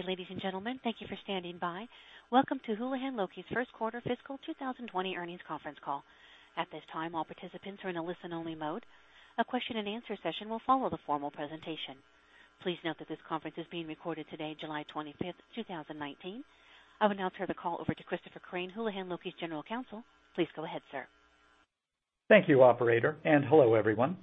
Good day, ladies and gentlemen. Thank you for standing by. Welcome to Houlihan Lokey's first quarter fiscal 2020 earnings conference call. At this time, all participants are in a listen-only mode. A question-and-answer session will follow the formal presentation. Please note that this conference is being recorded today, July 25th, 2019. I will now turn the call over to Christopher Crain, Houlihan Lokey's General Counsel. Please go ahead, sir. Thank you, operator, and hello everyone.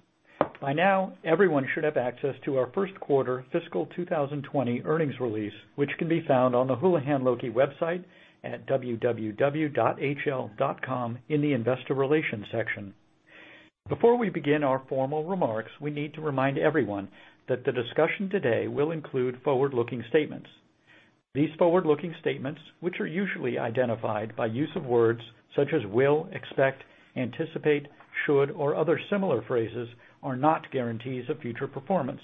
By now, everyone should have access to our first quarter fiscal 2020 earnings release, which can be found on the Houlihan Lokey website at www.hl.com in the Investor Relations section. Before we begin our formal remarks, we need to remind everyone that the discussion today will include forward-looking statements. These forward-looking statements, which are usually identified by use of words such as will, expect, anticipate, should, or other similar phrases, are not guarantees of future performance.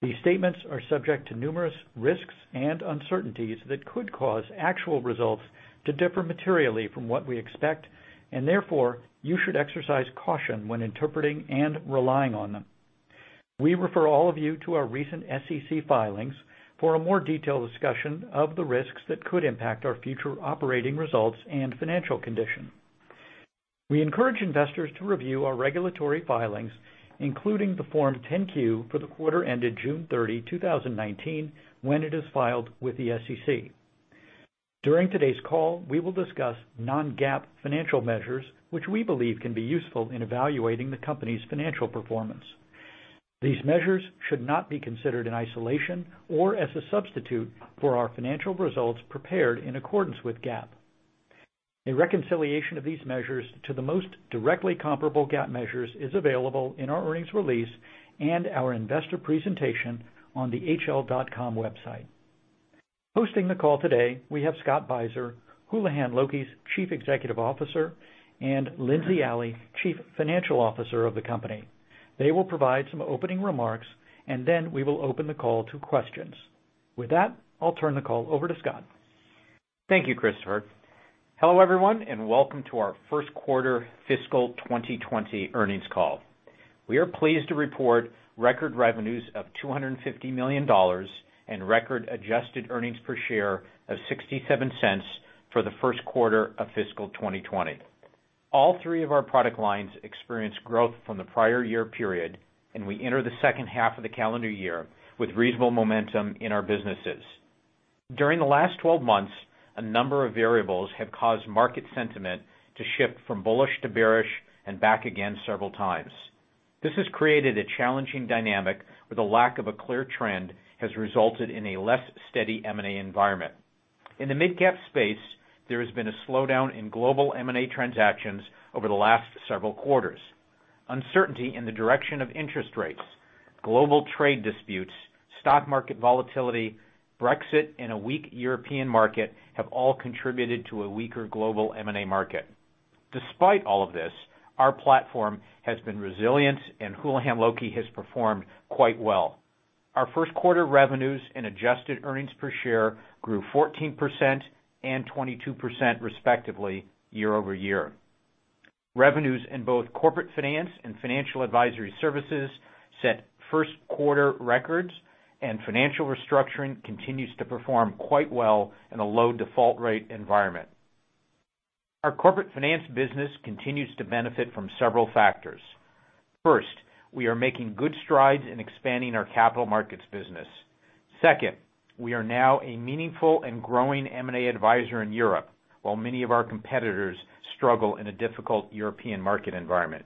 These statements are subject to numerous risks and uncertainties that could cause actual results to differ materially from what we expect, and therefore you should exercise caution when interpreting and relying on them. We refer all of you to our recent SEC filings for a more detailed discussion of the risks that could impact our future operating results and financial condition. We encourage investors to review our regulatory filings, including the Form 10-Q for the quarter ended June 30, 2019, when it is filed with the SEC. During today's call, we will discuss non-GAAP financial measures, which we believe can be useful in evaluating the company's financial performance. These measures should not be considered in isolation or as a substitute for our financial results prepared in accordance with GAAP. A reconciliation of these measures to the most directly comparable GAAP measures is available in our earnings release and our investor presentation on the hl.com website. Hosting the call today, we have Scott Beiser, Houlihan Lokey's Chief Executive Officer, and Lindsey Alley, Chief Financial Officer of the company. They will provide some opening remarks, and then we will open the call to questions. With that, I'll turn the call over to Scott. Thank you, Christopher. Hello everyone, and welcome to our first quarter fiscal 2020 earnings call. We are pleased to report record revenues of $250 million and record adjusted earnings per share of $0.67 for the first quarter of fiscal 2020. All three of our product lines experienced growth from the prior year period, and we enter the second half of the calendar year with reasonable momentum in our businesses. During the last 12 months, a number of variables have caused market sentiment to shift from bullish to bearish and back again several times. This has created a challenging dynamic where the lack of a clear trend has resulted in a less steady M&A environment. In the mid-cap space, there has been a slowdown in global M&A transactions over the last several quarters. Uncertainty in the direction of interest rates, global trade disputes, stock market volatility, Brexit, and a weak European market have all contributed to a weaker Global M&A market. Despite all of this, our platform has been resilient, and Houlihan Lokey has performed quite well. Our first quarter revenues and adjusted earnings per share grew 14% and 22% respectively year over year. Revenues in both Corporate Finance and Financial Advisory Services set first quarter records, and Financial Restructuring continues to perform quite well in a low default rate environment. Our Corporate Finance business continues to benefit from several factors. First, we are making good strides in expanding our Capital Markets business. Second, we are now a meaningful and growing M&A advisor in Europe, while many of our competitors struggle in a difficult European market environment.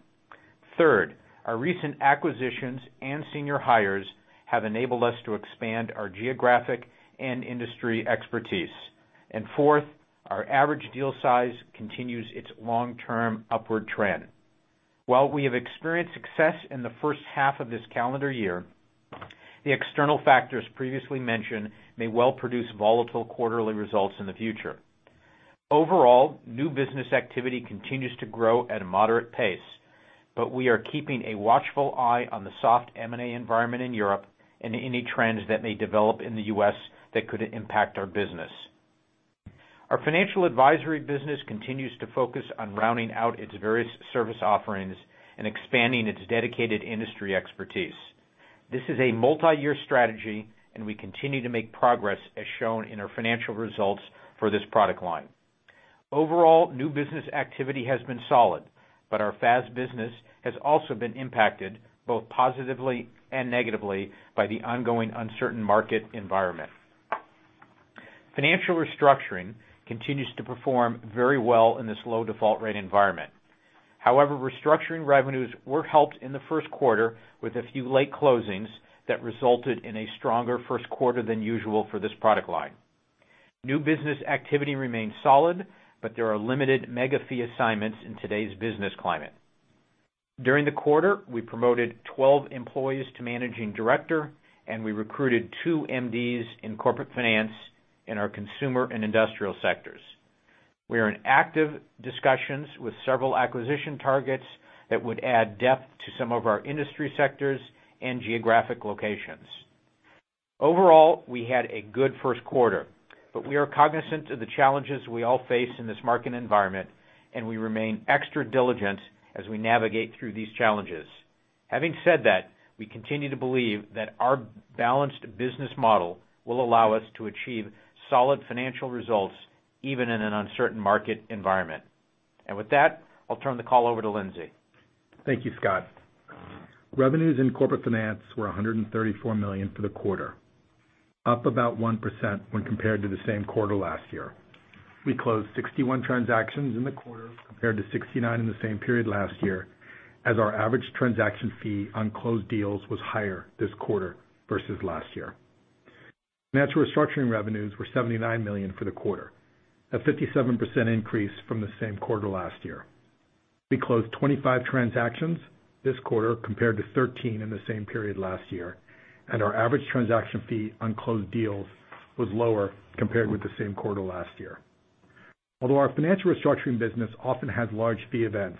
Third, our recent acquisitions and senior hires have enabled us to expand our geographic and industry expertise. And fourth, our average deal size continues its long-term upward trend. While we have experienced success in the first half of this calendar year, the external factors previously mentioned may well produce volatile quarterly results in the future. Overall, new business activity continues to grow at a moderate pace, but we are keeping a watchful eye on the soft M&A environment in Europe and any trends that may develop in the U.S. that could impact our business. Our Financial Advisory business continues to focus on rounding out its various service offerings and expanding its dedicated industry expertise. This is a multi-year strategy, and we continue to make progress as shown in our financial results for this product line. Overall, new business activity has been solid, but our FAS business has also been impacted both positively and negatively by the ongoing uncertain market environment. Financial Restructuring continues to perform very well in this low default rate environment. However, restructuring revenues were helped in the first quarter with a few late closings that resulted in a stronger first quarter than usual for this product line. New business activity remains solid, but there are limited mega fee assignments in today's business climate. During the quarter, we promoted 12 employees to Managing Director, and we recruited two MDs in Corporate Finance and our consumer and industrial sectors. We are in active discussions with several acquisition targets that would add depth to some of our industry sectors and geographic locations. Overall, we had a good first quarter, but we are cognizant of the challenges we all face in this market environment, and we remain extra diligent as we navigate through these challenges. Having said that, we continue to believe that our balanced business model will allow us to achieve solid financial results even in an uncertain market environment. And with that, I'll turn the call over to Lindsey. Thank you, Scott. Revenues in Corporate Finance were $134 million for the quarter, up about 1% when compared to the same quarter last year. We closed 61 transactions in the quarter compared to 69 in the same period last year, as our average transaction fee on closed deals was higher this quarter versus last year. Financial Restructuring revenues were $79 million for the quarter, a 57% increase from the same quarter last year. We closed 25 transactions this quarter compared to 13 in the same period last year, and our average transaction fee on closed deals was lower compared with the same quarter last year. Although our Financial Restructuring business often has large fee events,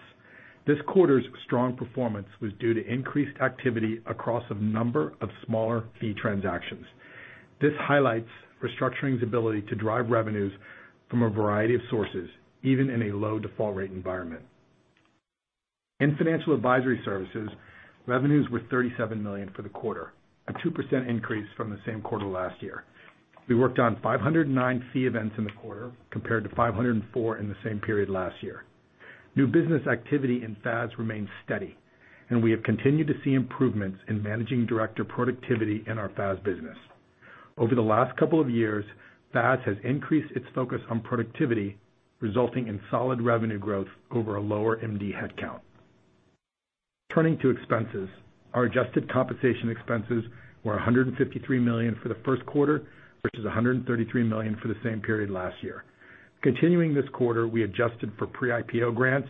this quarter's strong performance was due to increased activity across a number of smaller fee transactions. This highlights restructuring's ability to drive revenues from a variety of sources, even in a low default rate environment. In Financial Advisory Services, revenues were $37 million for the quarter, a 2% increase from the same quarter last year. We worked on 509 fee events in the quarter compared to 504 in the same period last year. New business activity in FAS remains steady, and we have continued to see improvements in managing director productivity in our FAS business. Over the last couple of years, FAS has increased its focus on productivity, resulting in solid revenue growth over a lower MD headcount. Turning to expenses, our adjusted compensation expenses were $153 million for the first quarter versus $133 million for the same period last year. Continuing this quarter, we adjusted for pre-IPO grants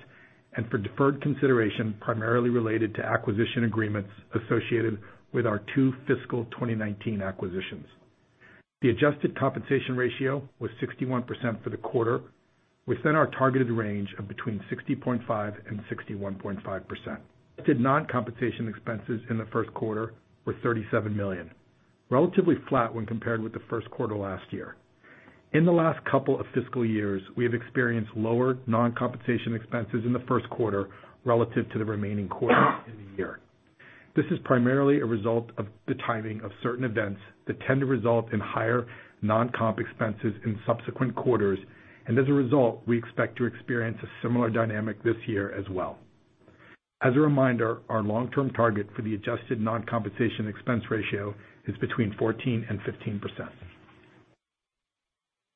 and for deferred consideration primarily related to acquisition agreements associated with our two fiscal 2019 acquisitions. The adjusted compensation ratio was 61% for the quarter, within our targeted range of between 60.5% and 61.5%. Adjusted non-compensation expenses in the first quarter were $37 million, relatively flat when compared with the first quarter last year. In the last couple of fiscal years, we have experienced lower non-compensation expenses in the first quarter relative to the remaining quarters in the year. This is primarily a result of the timing of certain events that tend to result in higher non-comp expenses in subsequent quarters, and as a result, we expect to experience a similar dynamic this year as well. As a reminder, our long-term target for the adjusted non-compensation expense ratio is between 14 and 15%.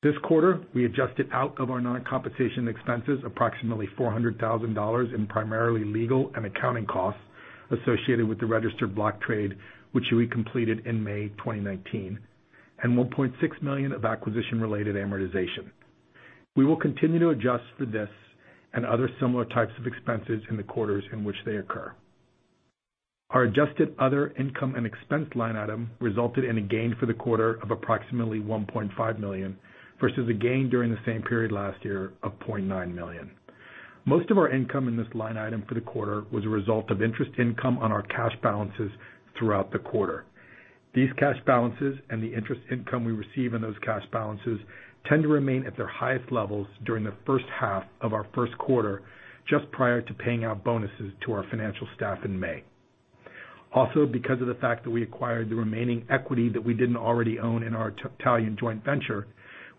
This quarter, we adjusted out of our non-compensation expenses approximately $400,000 in primarily legal and accounting costs associated with the registered block trade, which we completed in May 2019, and $1.6 million of acquisition-related amortization. We will continue to adjust for this and other similar types of expenses in the quarters in which they occur. Our adjusted other income and expense line item resulted in a gain for the quarter of approximately $1.5 million versus a gain during the same period last year of $0.9 million. Most of our income in this line item for the quarter was a result of interest income on our cash balances throughout the quarter. These cash balances and the interest income we receive in those cash balances tend to remain at their highest levels during the first half of our first quarter, just prior to paying out bonuses to our financial staff in May. Also, because of the fact that we acquired the remaining equity that we didn't already own in our Italian joint venture,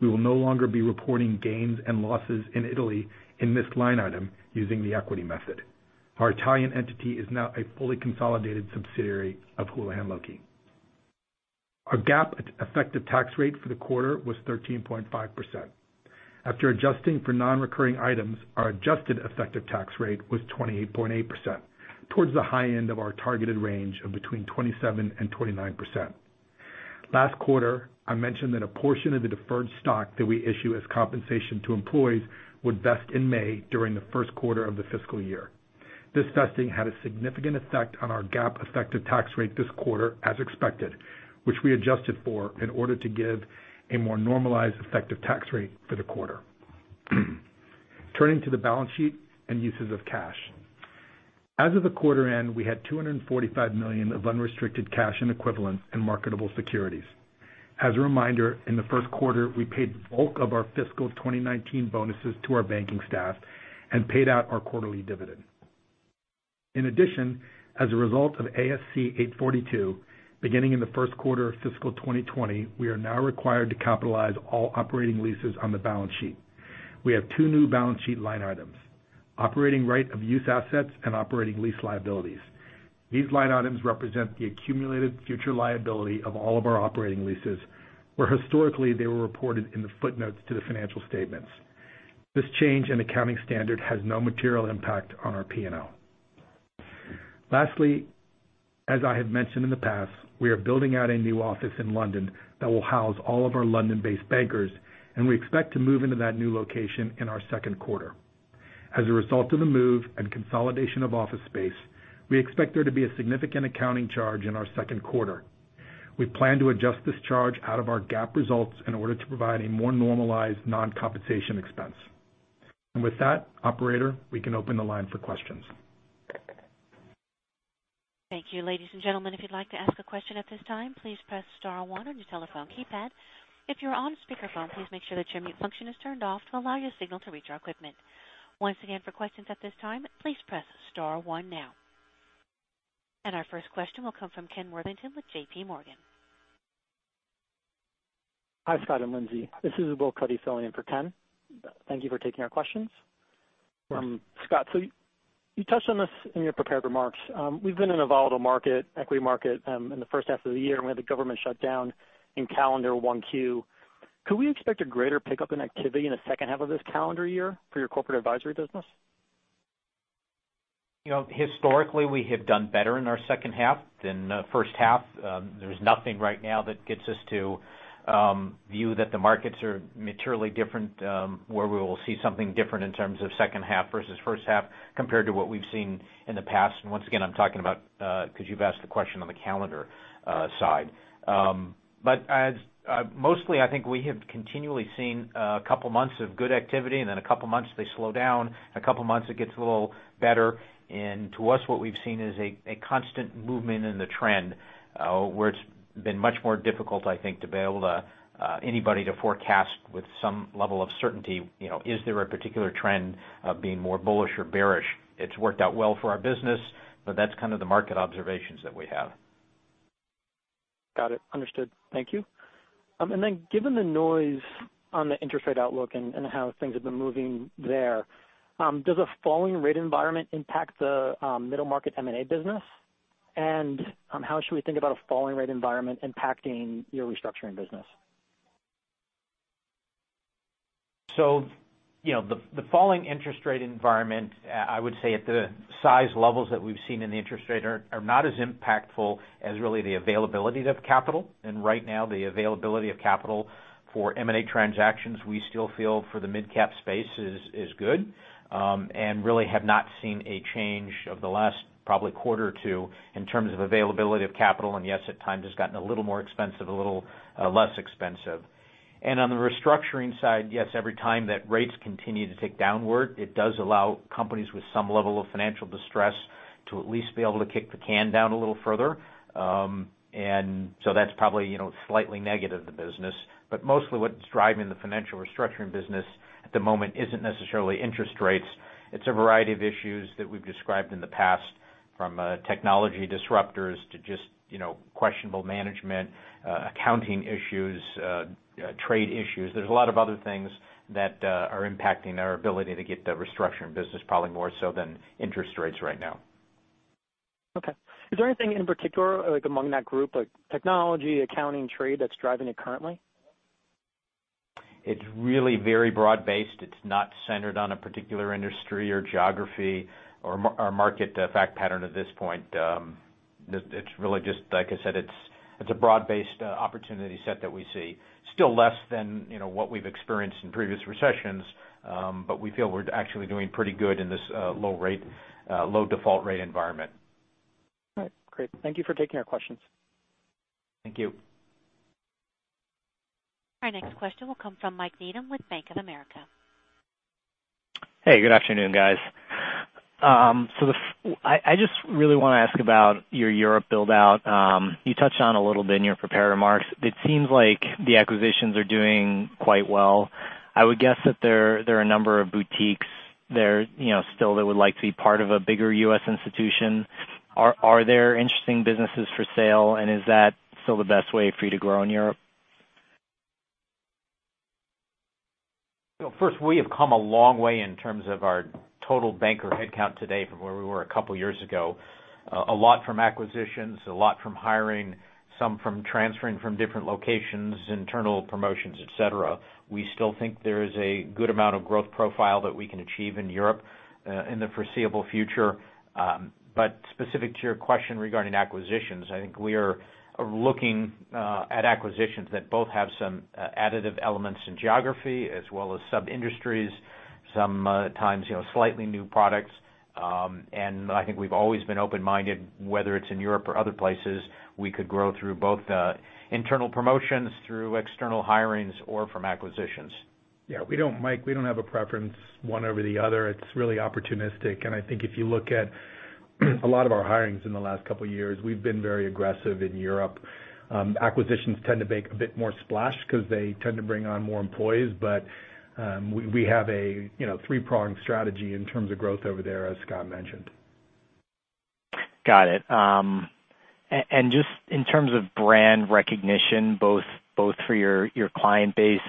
we will no longer be reporting gains and losses in Italy in this line item using the equity method. Our Italian entity is now a fully consolidated subsidiary of Houlihan Lokey. Our GAAP effective tax rate for the quarter was 13.5%. After adjusting for non-recurring items, our adjusted effective tax rate was 28.8%, towards the high end of our targeted range of between 27% and 29%. Last quarter, I mentioned that a portion of the deferred stock that we issue as compensation to employees would vest in May during the first quarter of the fiscal year. This vesting had a significant effect on our GAAP effective tax rate this quarter, as expected, which we adjusted for in order to give a more normalized effective tax rate for the quarter. Turning to the balance sheet and uses of cash. As of the quarter-end, we had $245 million of unrestricted cash and equivalents and marketable securities. As a reminder, in the first quarter, we paid the bulk of our fiscal 2019 bonuses to our banking staff and paid out our quarterly dividend. In addition, as a result of ASC 842, beginning in the first quarter of fiscal 2020, we are now required to capitalize all operating leases on the balance sheet. We have two new balance sheet line items: operating right-of-use assets and operating lease liabilities. These line items represent the accumulated future liability of all of our operating leases, where historically they were reported in the footnotes to the financial statements. This change in accounting standard has no material impact on our P&L. Lastly, as I have mentioned in the past, we are building out a new office in London that will house all of our London-based bankers, and we expect to move into that new location in our second quarter. As a result of the move and consolidation of office space, we expect there to be a significant accounting charge in our second quarter. We plan to adjust this charge out of our GAAP results in order to provide a more normalized non-compensation expense. With that, operator, we can open the line for questions. Thank you. Ladies and gentlemen, if you'd like to ask a question at this time, please press star one on your telephone keypad. If you're on speakerphone, please make sure that your mute function is turned off to allow your signal to reach our equipment. Once again, for questions at this time, please press star one now. And our first question will come from Ken Worthington with J.P. Morgan. Hi, Scott and Lindsey. This is Bill Coke, filling in for Ken. Thank you for taking our questions. Scott, so you touched on this in your prepared remarks. We've been in a volatile market, equity market, in the first half of the year, and we had the government shut down in calendar Q1. Could we expect a greater pickup in activity in the second half of this calendar year for your corporate advisory business? Historically, we have done better in our second half than first half. There's nothing right now that gets us to view that the markets are materially different, where we will see something different in terms of second half versus first half compared to what we've seen in the past. And once again, I'm talking about because you've asked the question on the calendar side. But mostly, I think we have continually seen a couple of months of good activity, and then a couple of months they slow down, a couple of months it gets a little better. And to us, what we've seen is a constant movement in the trend, where it's been much more difficult, I think, to be able to anybody to forecast with some level of certainty, is there a particular trend of being more bullish or bearish? It's worked out well for our business, but that's kind of the market observations that we have. Got it. Understood. Thank you. And then given the noise on the interest rate outlook and how things have been moving there, does a falling rate environment impact the middle-market M&A business? And how should we think about a falling rate environment impacting your restructuring business? So, the falling interest rate environment, I would say at the size levels that we've seen in the interest rate, are not as impactful as really the availability of capital. And right now, the availability of capital for M&A transactions, we still feel for the mid-cap space, is good and really have not seen a change over the last probably quarter or two in terms of availability of capital. And yes, at times it's gotten a little more expensive, a little less expensive. And on the restructuring side, yes, every time that rates continue to tick downward, it does allow companies with some level of financial distress to at least be able to kick the can down a little further. And so that's probably slightly negative to the business. But mostly what's driving the Financial Restructuring business at the moment isn't necessarily interest rates. It's a variety of issues that we've described in the past, from technology disruptors to just questionable management, accounting issues, trade issues. There's a lot of other things that are impacting our ability to get the restructuring business probably more so than interest rates right now. Okay. Is there anything in particular among that group, like technology, accounting, trade that's driving it currently? It's really very broad-based. It's not centered on a particular industry or geography or market fact pattern at this point. It's really just, like I said, it's a broad-based opportunity set that we see. Still less than what we've experienced in previous recessions, but we feel we're actually doing pretty good in this low default rate environment. All right. Great. Thank you for taking our questions. Thank you. Our next question will come from Mike Needham with Bank of America. Hey, good afternoon, guys. So I just really want to ask about your Europe build-out. You touched on a little bit in your prepared remarks. It seems like the acquisitions are doing quite well. I would guess that there are a number of boutiques there still that would like to be part of a bigger U.S. institution. Are there interesting businesses for sale, and is that still the best way for you to grow in Europe? First, we have come a long way in terms of our total bank or headcount today from where we were a couple of years ago. A lot from acquisitions, a lot from hiring, some from transferring from different locations, internal promotions, etc. We still think there is a good amount of growth profile that we can achieve in Europe in the foreseeable future, but specific to your question regarding acquisitions, I think we are looking at acquisitions that both have some additive elements in geography as well as sub-industries, sometimes slightly new products, and I think we've always been open-minded, whether it's in Europe or other places, we could grow through both internal promotions, through external hirings, or from acquisitions. Yeah. We don't, Mike, we don't have a preference one over the other. It's really opportunistic, and I think if you look at a lot of our hirings in the last couple of years, we've been very aggressive in Europe. Acquisitions tend to make a bit more splash because they tend to bring on more employees, but we have a three-pronged strategy in terms of growth over there, as Scott mentioned. Got it. And just in terms of brand recognition, both for your client base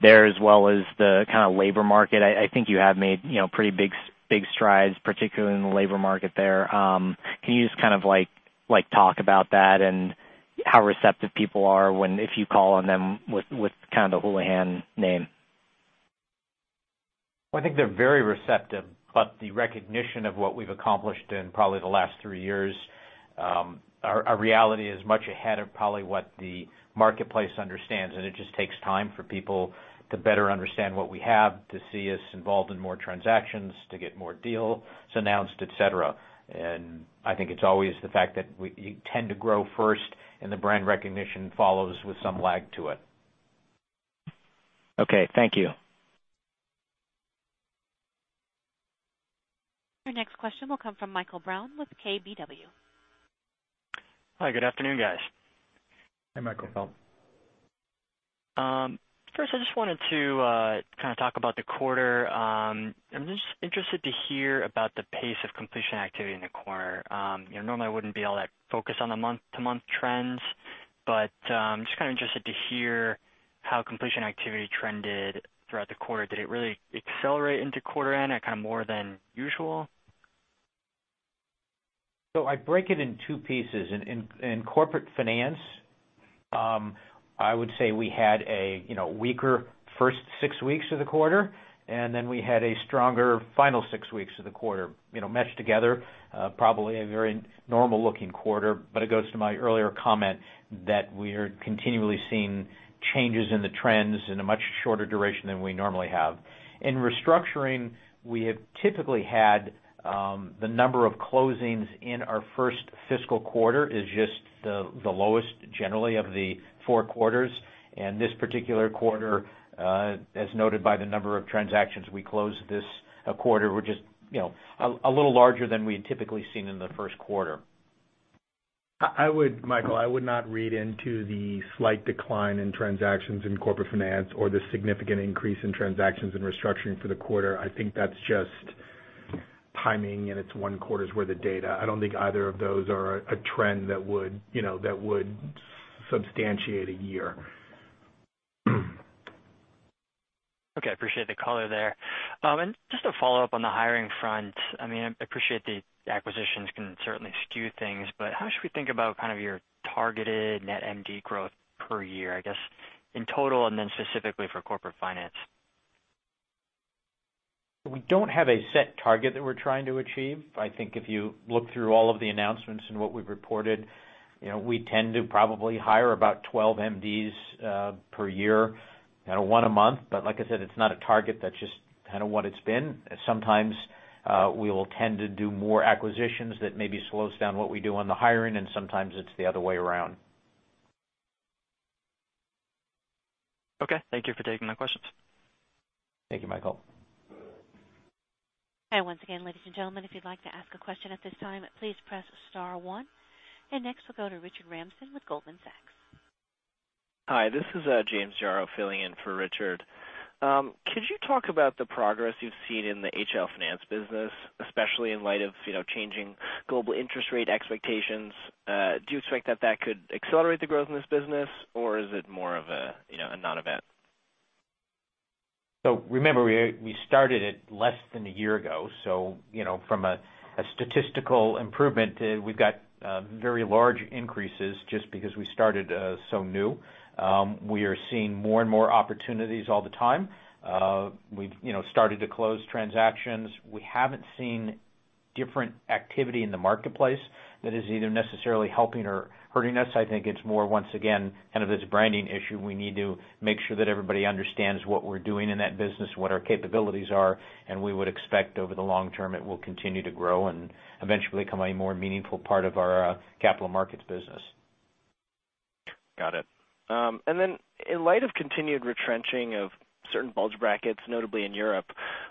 there as well as the kind of labor market, I think you have made pretty big strides, particularly in the labor market there. Can you just kind of talk about that and how receptive people are when if you call on them with kind of the Houlihan name? I think they're very receptive, but the recognition of what we've accomplished in probably the last three years, our reality is much ahead of probably what the marketplace understands, and it just takes time for people to better understand what we have, to see us involved in more transactions, to get more deals announced, etc., and I think it's always the fact that you tend to grow first, and the brand recognition follows with some lag to it. Okay. Thank you. Our next question will come from Michael Brown with KBW. Hi. Good afternoon, guys. Hi, Michael. First, I just wanted to kind of talk about the quarter. I'm just interested to hear about the pace of completion activity in the quarter. Normally, I wouldn't be all that focused on the month-to-month trends, but I'm just kind of interested to hear how completion activity trended throughout the quarter. Did it really accelerate into quarter end at kind of more than usual? I'd break it in two pieces. In Corporate Finance, I would say we had a weaker first six weeks of the quarter, and then we had a stronger final six weeks of the quarter meshed together, probably a very normal-looking quarter. But it goes to my earlier comment that we are continually seeing changes in the trends in a much shorter duration than we normally have. In restructuring, we have typically had the number of closings in our first fiscal quarter is just the lowest generally of the four quarters. And this particular quarter, as noted by the number of transactions we closed this quarter, were just a little larger than we had typically seen in the first quarter. Michael, I would not read into the slight decline in transactions in Corporate Finance or the significant increase in transactions in restructuring for the quarter. I think that's just timing, and it's one quarter's worth of data. I don't think either of those are a trend that would substantiate a year. Okay. I appreciate the color there. And just to follow up on the hiring front, I mean, I appreciate the acquisitions can certainly skew things, but how should we think about kind of your targeted net MD growth per year, I guess, in total and then specifically for Corporate Finance? We don't have a set target that we're trying to achieve. I think if you look through all of the announcements and what we've reported, we tend to probably hire about 12 MDs per year, kind of one a month. But like I said, it's not a target. That's just kind of what it's been. Sometimes we will tend to do more acquisitions that maybe slows down what we do on the hiring, and sometimes it's the other way around. Okay. Thank you for taking my questions. Thank you, Michael. And once again, ladies and gentlemen, if you'd like to ask a question at this time, please press star one. And next, we'll go to Richard Ramsden with Goldman Sachs. Hi. This is James Yaro filling in for Richard. Could you talk about the progress you've seen in the HL Finance business, especially in light of changing global interest rate expectations? Do you expect that that could accelerate the growth in this business, or is it more of a non-event? Remember, we started it less than a year ago. From a statistical improvement, we've got very large increases just because we started so new. We are seeing more and more opportunities all the time. We've started to close transactions. We haven't seen different activity in the marketplace that is either necessarily helping or hurting us. I think it's more, once again, kind of this branding issue. We need to make sure that everybody understands what we're doing in that business, what our capabilities are. We would expect over the long term it will continue to grow and eventually become a more meaningful part of our Capital Markets business. Got it. And then in light of continued retrenching of certain bulge brackets, notably in Europe,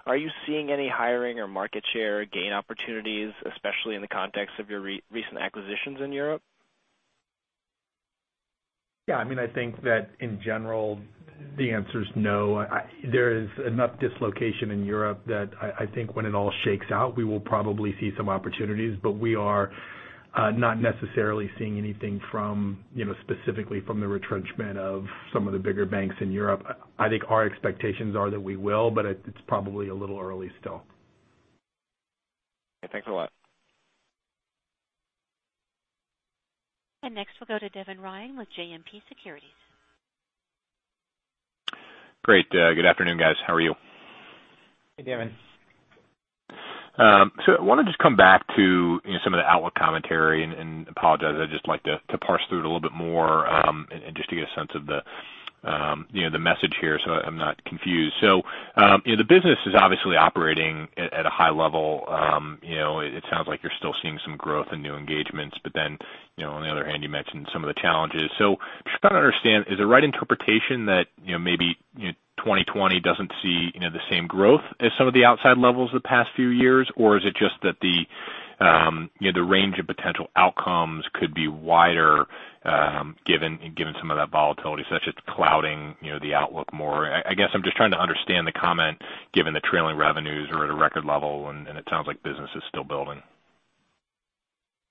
are you seeing any hiring or market share gain opportunities, especially in the context of your recent acquisitions in Europe? Yeah. I mean, I think that in general, the answer is no. There is enough dislocation in Europe that I think when it all shakes out, we will probably see some opportunities. But we are not necessarily seeing anything specifically from the retrenchment of some of the bigger banks in Europe. I think our expectations are that we will, but it's probably a little early still. Thanks a lot. Next, we'll go to Devin Ryan with JMP Securities. Great. Good afternoon, guys. How are you? Hey, Devin. I want to just come back to some of the outlook commentary and apologize. I'd just like to parse through it a little bit more and just to get a sense of the message here so I'm not confused. The business is obviously operating at a high level. It sounds like you're still seeing some growth and new engagements, but then on the other hand, you mentioned some of the challenges. I'm just trying to understand, is it the right interpretation that maybe 2020 doesn't see the same growth as some of the outside levels the past few years, or is it just that the range of potential outcomes could be wider given some of that volatility such as clouding the outlook more? I guess I'm just trying to understand the comment given the trailing revenues are at a record level, and it sounds like business is still building.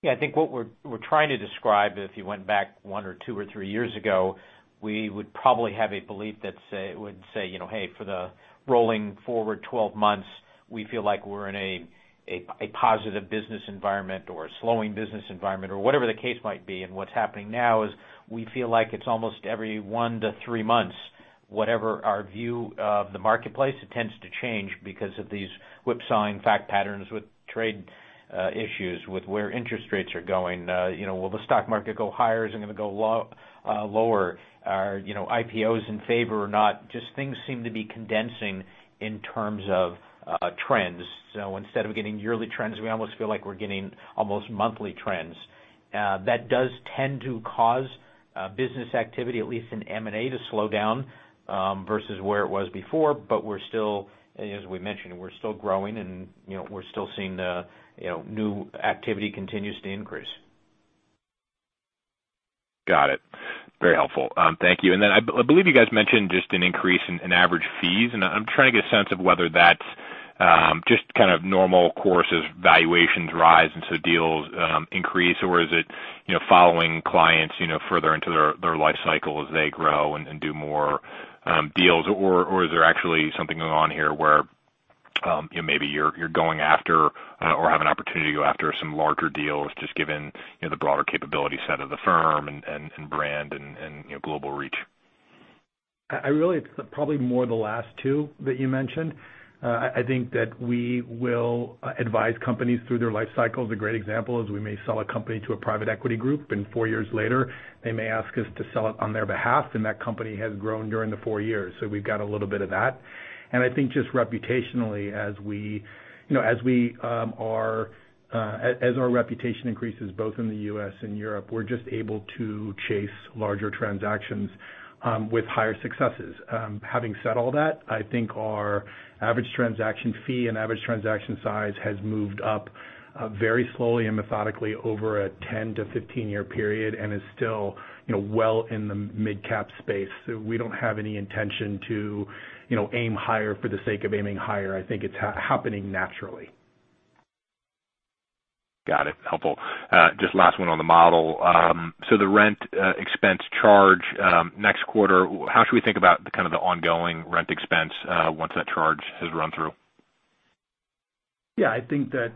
Yeah. I think what we're trying to describe, if you went back one or two or three years ago, we would probably have a belief that would say, "Hey, for the rolling forward 12 months, we feel like we're in a positive business environment or a slowing business environment," or whatever the case might be. And what's happening now is we feel like it's almost every one to three months, whatever our view of the marketplace, it tends to change because of these whipsawing fact patterns with trade issues, with where interest rates are going. Will the stock market go higher? Is it going to go lower? Are IPOs in favor or not? Just things seem to be condensing in terms of trends. So instead of getting yearly trends, we almost feel like we're getting almost monthly trends. That does tend to cause business activity, at least in M&A, to slow down versus where it was before. But we're still, as we mentioned, we're still growing, and we're still seeing the new activity continues to increase. Got it. Very helpful. Thank you. And then I believe you guys mentioned just an increase in average fees. And I'm trying to get a sense of whether that's just kind of normal course as valuations rise and so deals increase, or is it following clients further into their life cycle as they grow and do more deals? Or is there actually something going on here where maybe you're going after or have an opportunity to go after some larger deals just given the broader capability set of the firm and brand and global reach? I really think probably more the last two that you mentioned. I think that we will advise companies through their life cycles. A great example is we may sell a company to a private equity group, and four years later, they may ask us to sell it on their behalf, and that company has grown during the four years. So we've got a little bit of that, and I think just reputationally, as our reputation increases both in the U.S. and Europe, we're just able to chase larger transactions with higher successes. Having said all that, I think our average transaction fee and average transaction size has moved up very slowly and methodically over a 10 to 15-year period and is still well in the mid-cap space. So, we don't have any intention to aim higher for the sake of aiming higher. I think it's happening naturally. Got it. Helpful. Just last one on the model. So the rent expense charge next quarter, how should we think about kind of the ongoing rent expense once that charge has run through? Yeah. I think that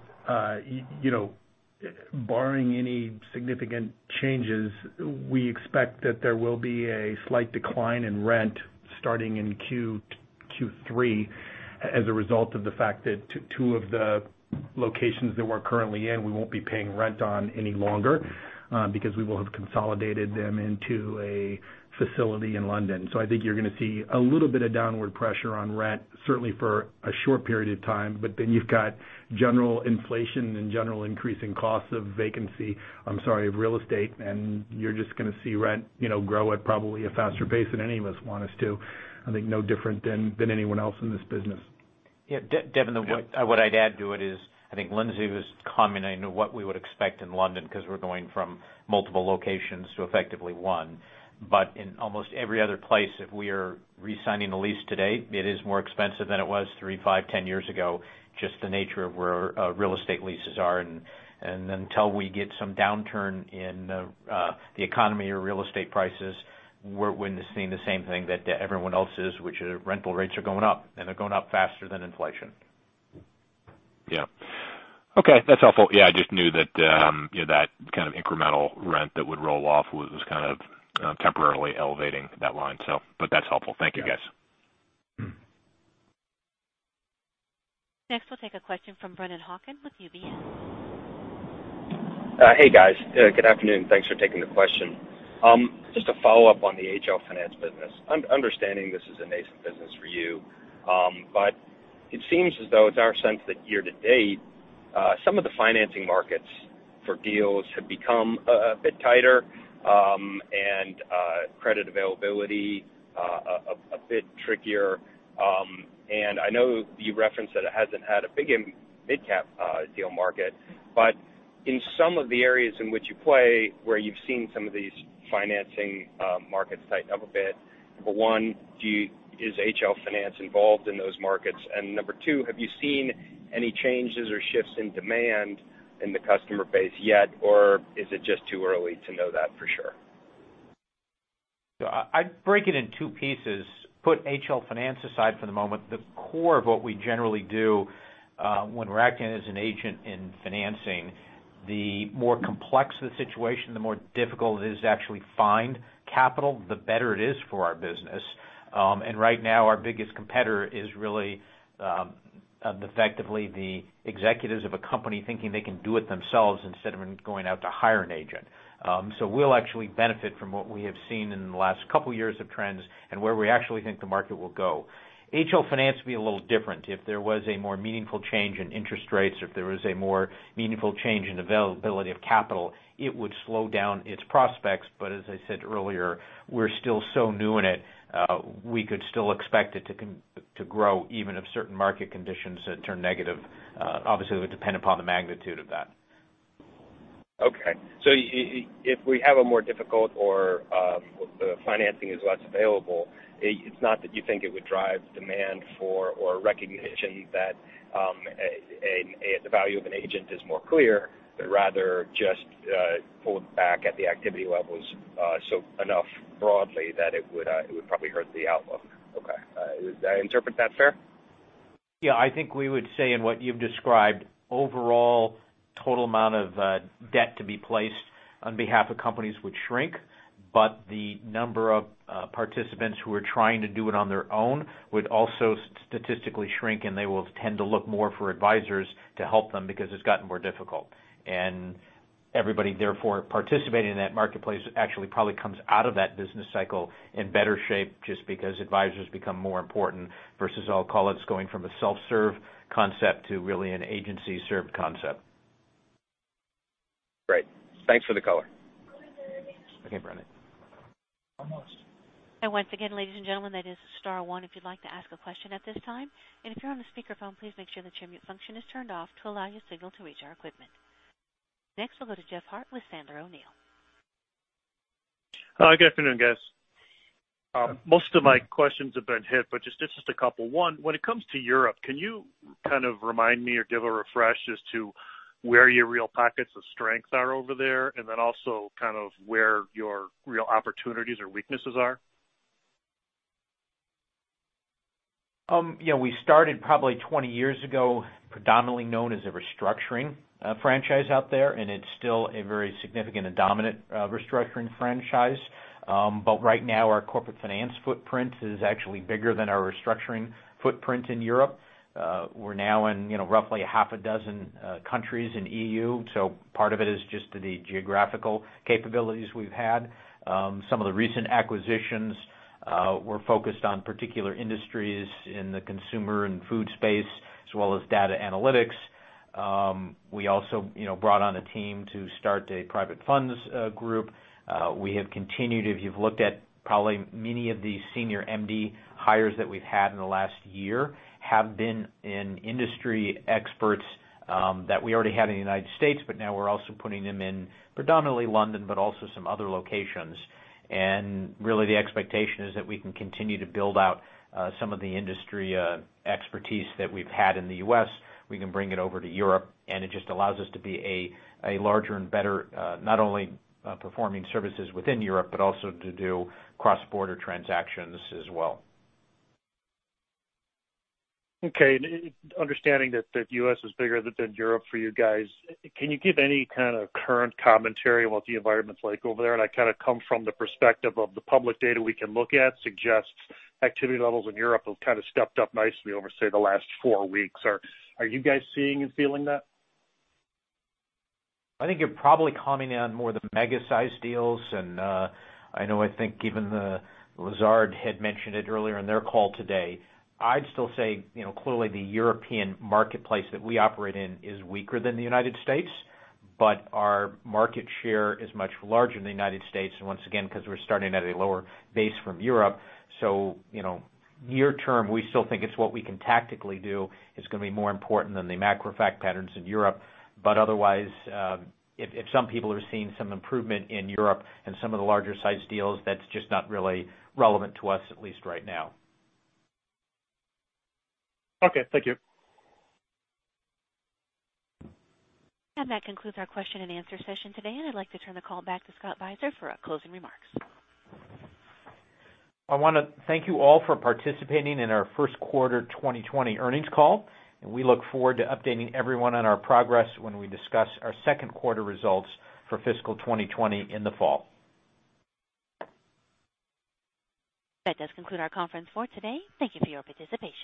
barring any significant changes, we expect that there will be a slight decline in rent starting in Q3 as a result of the fact that two of the locations that we're currently in, we won't be paying rent on any longer because we will have consolidated them into a facility in London. So I think you're going to see a little bit of downward pressure on rent, certainly for a short period of time. But then you've got general inflation and general increasing costs of vacancy, I'm sorry, of real estate, and you're just going to see rent grow at probably a faster pace than any of us want us to. I think no different than anyone else in this business. Yeah. Devin, what I'd add to it is I think Lindsey was commenting on what we would expect in London because we're going from multiple locations to effectively one. But in almost every other place, if we are re-signing a lease today, it is more expensive than it was three, five, 10 years ago, just the nature of where real estate leases are. And until we get some downturn in the economy or real estate prices, we're witnessing the same thing that everyone else is, which is rental rates are going up, and they're going up faster than inflation. Yeah. Okay. That's helpful. Yeah. I just knew that that kind of incremental rent that would roll off was kind of temporarily elevating that line, so. But that's helpful. Thank you, guys. Next, we'll take a question from Brennan Hawken with UBS. Hey, guys. Good afternoon. Thanks for taking the question. Just to follow up on the HL Finance business. I'm understanding this is a nascent business for you, but it seems as though it's our sense that year-to-date, some of the financing markets for deals have become a bit tighter and credit availability a bit trickier. And I know you referenced that it hasn't had a big mid-cap deal market. But in some of the areas in which you play, where you've seen some of these financing markets tighten up a bit, number one, is HL Finance involved in those markets? And number two, have you seen any changes or shifts in demand in the customer base yet, or is it just too early to know that for sure? I'd break it in two pieces. Put HL Finance aside for the moment. The core of what we generally do when we're acting as an agent in financing, the more complex the situation, the more difficult it is to actually find capital, the better it is for our business. Right now, our biggest competitor is really effectively the executives of a company thinking they can do it themselves instead of going out to hire an agent. We'll actually benefit from what we have seen in the last couple of years of trends and where we actually think the market will go. HL Finance would be a little different. If there was a more meaningful change in interest rates or if there was a more meaningful change in availability of capital, it would slow down its prospects. But as I said earlier, we're still so new in it, we could still expect it to grow even if certain market conditions turn negative. Obviously, it would depend upon the magnitude of that. Okay. So, if we have a more difficult M&A or financing is less available, it's not that you think it would drive demand for restructuring or recognition that the value of an agent is more clear, but rather just pulled back at the activity levels enough broadly that it would probably hurt the outlook. Okay. Did I interpret that fair? Yeah. I think we would say in what you've described, overall total amount of debt to be placed on behalf of companies would shrink, but the number of participants who are trying to do it on their own would also statistically shrink, and they will tend to look more for advisors to help them because it's gotten more difficult, and everybody, therefore, participating in that marketplace actually probably comes out of that business cycle in better shape just because advisors become more important versus I'll call it going from a self-serve concept to really an agency-served concept. Great. Thanks for the color. Okay, Brennan. And once again, ladies and gentlemen, that is star one if you'd like to ask a question at this time. And if you're on the speakerphone, please make sure that your mute function is turned off to allow your signal to reach our equipment. Next, we'll go to Jeff Harte with Sandler O'Neill. Good afternoon, guys. Most of my questions have been hit, but just a couple. One, when it comes to Europe, can you kind of remind me or give a refresh as to where your real pockets of strength are over there and then also kind of where your real opportunities or weaknesses are? Yeah. We started probably 20 years ago, predominantly known as a restructuring franchise out there, and it's still a very significant and dominant restructuring franchise. But right now, our Corporate Finance footprint is actually bigger than our restructuring footprint in Europe. We're now in roughly a half a dozen countries in the EU. So part of it is just the geographical capabilities we've had. Some of the recent acquisitions, we're focused on particular industries in the consumer and food space as well as data analytics. We also brought on a team to start a Private Funds Group. We have continued, if you've looked at probably many of the senior MD hires that we've had in the last year, have been in industry experts that we already had in the United States, but now we're also putting them in predominantly London, but also some other locations. And really, the expectation is that we can continue to build out some of the industry expertise that we've had in the U.S. We can bring it over to Europe, and it just allows us to be a larger and better not only performing services within Europe, but also to do cross-border transactions as well. Okay. Understanding that the U.S. is bigger than Europe for you guys, can you give any kind of current commentary on what the environment's like over there? And I kind of come from the perspective of the public data we can look at suggests activity levels in Europe have kind of stepped up nicely over, say, the last four weeks. Are you guys seeing and feeling that? I think you're probably commenting on more the mega-sized deals. And I know I think even Lazard had mentioned it earlier in their call today. I'd still say clearly the European marketplace that we operate in is weaker than the United States, but our market share is much larger in the United States, once again, because we're starting at a lower base from Europe. So near term, we still think it's what we can tactically do is going to be more important than the macro fact patterns in Europe. But otherwise, if some people are seeing some improvement in Europe and some of the larger-sized deals, that's just not really relevant to us, at least right now. Okay. Thank you. That concludes our question-and-answer session today. I'd like to turn the call back to Scott Beiser for closing remarks. I want to thank you all for participating in our first quarter 2020 earnings call. We look forward to updating everyone on our progress when we discuss our second quarter results for fiscal 2020 in the fall. That does conclude our conference for today. Thank you for your participation.